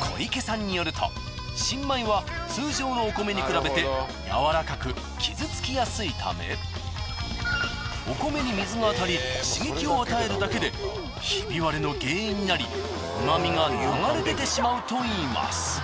小池さんによると新米は通常のお米に比べて柔らかく傷付きやすいためお米に水が当たり刺激を与えるだけでひび割れの原因になり旨味が流れ出てしまうといいます。